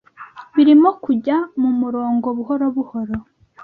Birimo kujya mumurongo buhoro buhoro